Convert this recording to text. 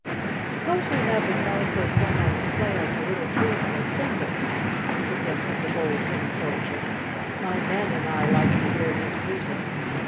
"Suppose we have the Calico Clown play us a little tune on his cymbals," suggested the Bold Tin Soldier. "My men and I like to hear his music.